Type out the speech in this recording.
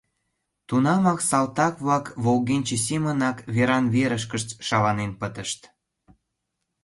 Тунамак салтак-влак волгенче семынак веран-верышкышт шаланен пытышт.